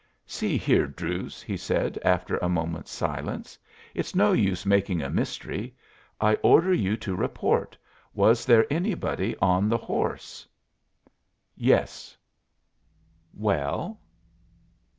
"See here, Druse," he said, after a moment's silence, "it's no use making a mystery. I order you to report. Was there anybody on the horse?" "Yes." "Well?"